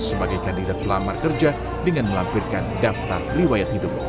sebagai kandidat pelamar kerja dengan melampirkan daftar pribadi